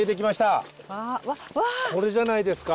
これじゃないですか？